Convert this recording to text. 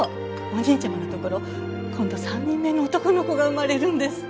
お兄ちゃまのところ今度３人目の男の子が生まれるんですって。